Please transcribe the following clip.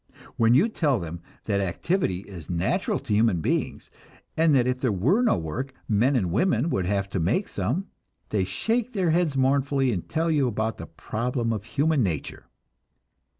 When you tell them that activity is natural to human beings, and that if there were no work, men and women would have to make some, they shake their heads mournfully and tell you about the problem of "human nature."